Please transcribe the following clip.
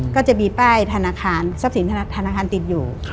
ก็จะมีป้ายธนาคารทรัพย์สินธนาคารติดอยู่